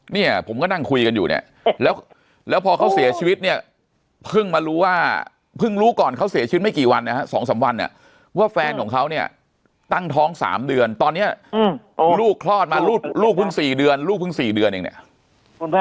เนี่ยผมก็นั่งคุยกันอยู่เนี่ยแล้วพอเขาเสียชีวิตเนี่ยเพิ่งมารู้ว่าเพิ่งรู้ก่อนเขาเสียชีวิตไม่กี่วันนะฮะ๒๓วันเนี่ยว่าแฟนของเขาเนี่ยตั้งท้อง๓เดือนตอนนี้ลูกคลอดมาลูกเพิ่ง๔เดือนลูกเพิ่ง๔เดือนเองเนี่ย